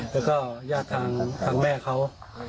แล้วก็ญาติทางแม่เขา